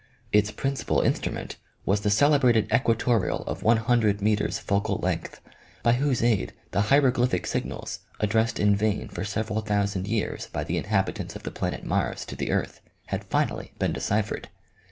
Its principal instrument was the celebrated equatorial of one hundred meters focal length, by whose aid the hieroglyphic signals, addressed in vain for several thou sand years by the inhabitants of the planet Mars to the earth, had finally been deciphered.